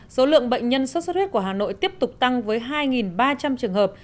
số lượng bệnh nhân sốt xuất huyết của hà nội tiếp tục tăng với hai ba trăm linh trường hợp